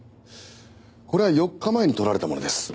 これは４日前に撮られたものです。